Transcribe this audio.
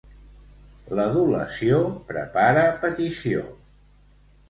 L'adulació prepara petició.